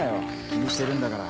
気にしてるんだから。